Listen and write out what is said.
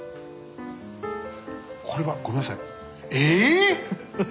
これはごめんなさいえ